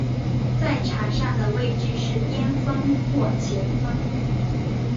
在场上的位置是边锋或前锋。